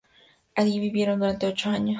Allí vivieron durante ocho años.